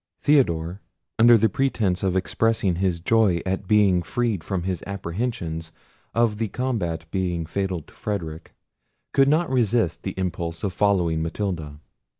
Theodore, under pretence of expressing his joy at being freed from his apprehensions of the combat being fatal to Frederic, could not resist the impulse of following Matilda.